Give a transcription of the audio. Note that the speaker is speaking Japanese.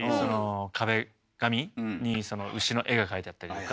壁紙に牛の絵が描いてあったりとか。